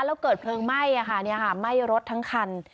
แล้วเกิดเพลิงไหม้อ่ะค่ะเนี่ยค่ะไหม้รถทั้งคัน